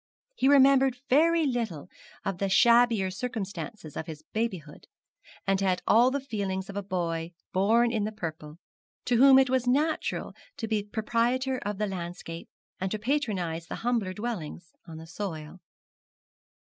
He remembered very little of the shabbier circumstances of his babyhood, and had all the feelings of a boy born in the purple, to whom it was natural to be proprietor of the landscape, and to patronise the humbler dwellers on the soil.